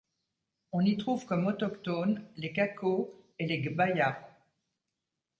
On y trouve comme autochtones les Kako et les Gbaya.